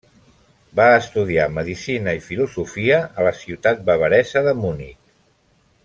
Va estudiar medicina i filosofia a la ciutat bavaresa de Munic.